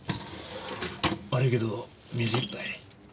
悪いけど水１杯。